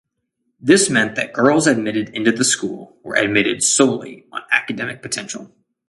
This meant that girls admitted into the school were admitted solely on academic potential.